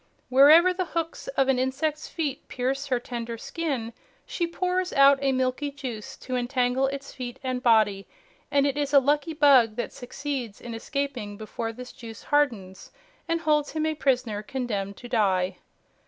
Wherever the hooks of an insect's feet pierce her tender skin, she pours out a milky juice to entangle its feet and body, and it is a lucky bug that succeeds in escaping before this juice hardens, and holds him a prisoner condemned to die.